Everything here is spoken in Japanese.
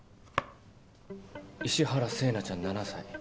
石原星名ちゃん７歳。